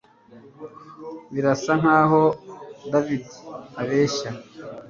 birasa nkaho davide abeshya